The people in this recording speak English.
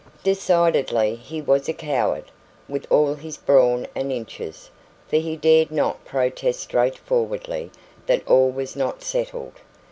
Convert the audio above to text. Decidedly he was a coward, with all his brawn and inches; for he dared not protest straight forwardly that all was not settled.